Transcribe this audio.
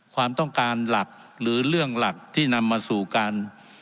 ความต้องการหลักหรือเรื่องหลักที่นำมาสู่การ